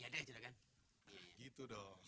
ya deh juga kan gitu dong